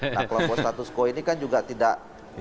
nah kelompok status quo ini kan juga tidak